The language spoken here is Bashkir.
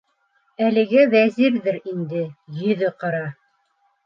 - Әлеге Вәзирҙер инде, йөҙө ҡара!